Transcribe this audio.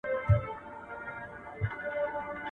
• څه توره تېره وه، څه انا ورسته وه.